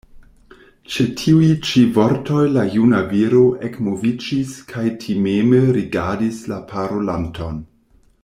Ĉe tiuj ĉi vortoj la juna viro ekmoviĝis kaj timeme rigardis la parolanton.